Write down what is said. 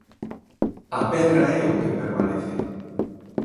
A pedra é o que permanece.